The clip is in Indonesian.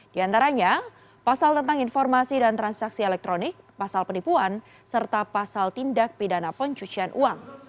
di antaranya pasal tentang informasi dan transaksi elektronik pasal penipuan serta pasal tindak pidana pencucian uang